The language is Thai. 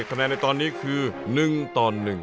ขนาดตอนนี้คือ๑ตอน๑